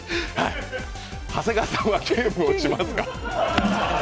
長谷川さんはゲームをしますか？